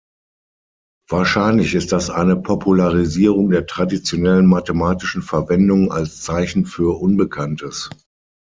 Wahrscheinlich ist das eine Popularisierung der traditionellen mathematischen Verwendung als Zeichen für Unbekanntes.